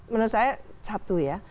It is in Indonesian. menurut saya satu ya